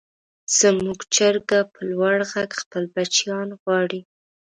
زموږ چرګه په لوړ غږ خپل بچیان غواړي.